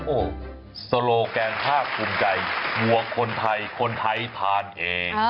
โอ้สโลแกงท่าคุมใจบัวคนไทยคนไทยทานเอง